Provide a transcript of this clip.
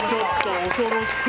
恐ろしい。